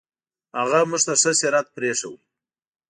هغه موږ ته ښه سیرت پرېښود.